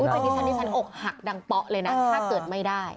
อุ๊ยไปที่ฉันออกหักดังป๊อกเลยนะถ้าเกิดไม่ได้